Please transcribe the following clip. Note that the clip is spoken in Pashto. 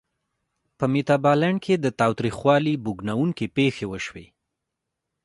په میتابالنډ کې د تاوتریخوالي بوږنوونکې پېښې وشوې.